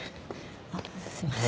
あっすいません。